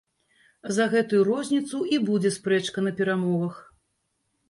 За гэтую розніцу і будзе спрэчка на перамовах.